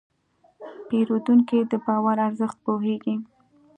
پیرودونکی د باور ارزښت پوهېږي.